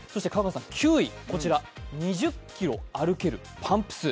９位は２０ｋｍ歩けるパンプス。